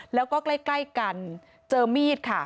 แล้วก็ใกล้กันเจอมีดค่ะ